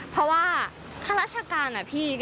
เพราะว่าข้าราชการนะพี่